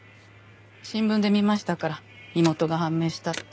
新聞で見ましたから身元が判明したって。